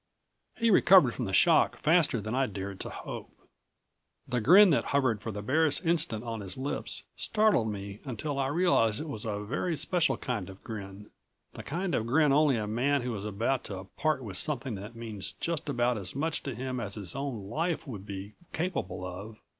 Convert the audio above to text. _" He recovered from the shock faster than I'd dared to hope. The grin that hovered for the barest instant on his lips startled me until I realized it was a very special kind of grin the kind of grin only a man who is about to part with something that means just about as much to him as his own life would be capable of